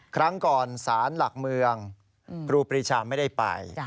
ครั้งก่อนสารหลักเมืองครูปรีชาไม่ได้ไป